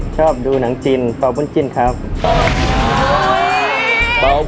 ชอบดูหนังจีนเป่าบุญจิ้นครับ